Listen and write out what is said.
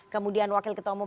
kemudian wakil ketemu